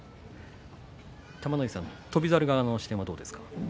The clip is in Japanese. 玉ノ井さん、翔猿側としてはどうですか。